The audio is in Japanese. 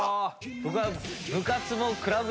僕は。